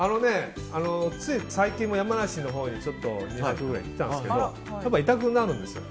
つい最近も山梨のほうに２泊くらい行ってたんですけどやっぱり痛くなるんですよ。